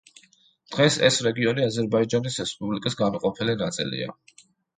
დღეს ეს რეგიონი აზერბაიჯანის რესპუბლიკის განუყოფელი ნაწილია.